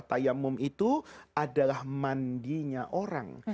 tayamum itu adalah mandinya orang